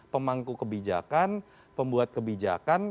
pemangku kebijakan pembuat kebijakan